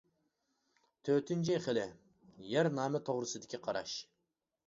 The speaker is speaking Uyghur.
تۆتىنچى خىلى: يەر نامى توغرىسىدىكى قاراش.